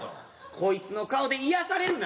こいつの顔で癒やされるな！